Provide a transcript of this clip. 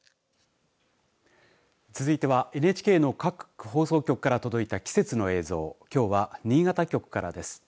続いてはＮＨＫの各放送局から届いた季節の映像きょうは新潟局からです。